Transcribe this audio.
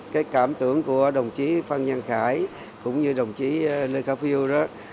cái cảm tưởng của đồng chí phan giang khải cũng như đồng chí lê khả phiêu đó